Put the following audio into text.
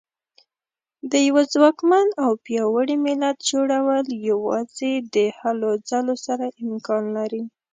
د یوه ځواکمن او پیاوړي ملت جوړول یوازې د هلو ځلو سره امکان لري.